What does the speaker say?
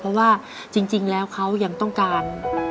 เพราะว่าจริงแล้วเขายังต้องการ